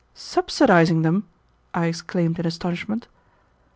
"Subsidizing them!" I exclaimed in astonishment.